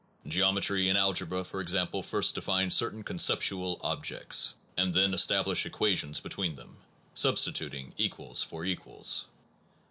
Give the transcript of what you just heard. Geometry and algebra, for example, first define certain conceptual objects, and then establish equations between them, substituting equals for equals.